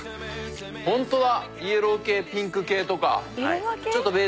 ホントだ！